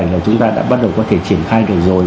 là chúng ta đã bắt đầu có thể triển khai được rồi